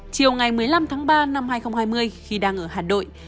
chiều ngày một mươi năm tháng ba năm hai nghìn hai mươi khi đang ở hà nội